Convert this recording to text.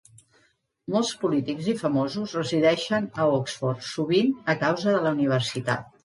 Molts polítics i famosos resideixen a Oxford, sovint a causa de la Universitat.